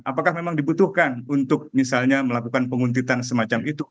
apakah memang dibutuhkan untuk misalnya melakukan penguntitan semacam itu